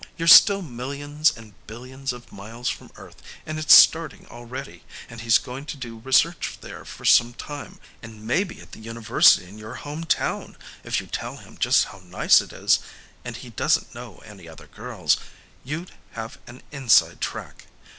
You're still millions and billions of miles from Earth and it's starting already, and he's going to do research there for some time, and maybe at the university in your home town if you tell him just how nice it is, and he doesn't know any other girls, you'd have an inside track.